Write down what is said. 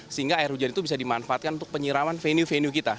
sehingga air hujan itu bisa dimanfaatkan untuk penyiraman venue venue kita